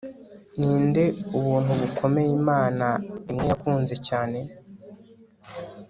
ninde ubuntu bukomeye imana imwe yakunze cyane